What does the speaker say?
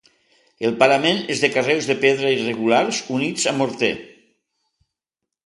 El parament és de carreus de pedra irregulars units amb morter.